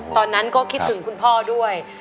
ตอนนั้นก็คิดถึงคุณพ่อด้วย